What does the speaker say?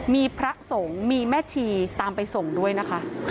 มีพระสงฆ์มีแม่ชีตามไปส่งด้วยนะคะ